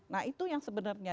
nah itu yang sebenarnya